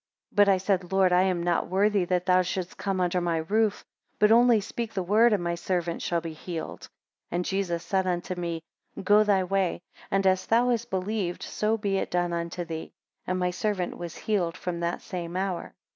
36 But I said, Lord, I am not worthy that thou shouldst come under my roof; but only speak the word, and my servant shall be healed. 37 And Jesus said unto me, Go thy way; and as thou hast believed so be it done unto thee. And my servant was healed from that same hour.